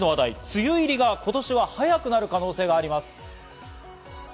梅雨入りが今年は早くなる可能性があります。